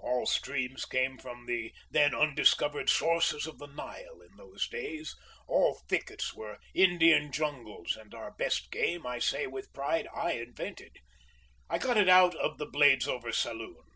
All streams came from the then undiscovered "sources of the Nile" in those days, all thickets were Indian jungles, and our best game, I say it with pride, I invented. I got it out of the Bladesover saloon.